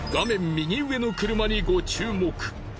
右上の車にご注目。